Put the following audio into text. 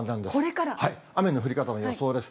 雨の降り方の予想です。